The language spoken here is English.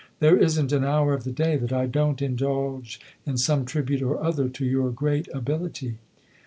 There isn't an hour of the day that I don't indulge in some tribute or other to your great ability."